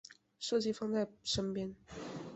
设计放在身边